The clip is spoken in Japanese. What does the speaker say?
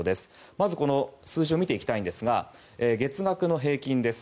まず、この数字を見ていきたいんですが月額の平均です。